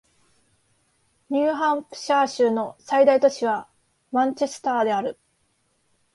ニューハンプシャー州の最大都市はマンチェスターである